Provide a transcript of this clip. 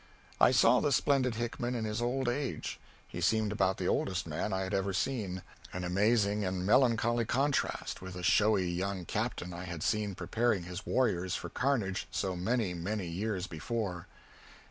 I saw the splendid Hickman in his old age. He seemed about the oldest man I had ever seen an amazing and melancholy contrast with the showy young captain I had seen preparing his warriors for carnage so many, many years before.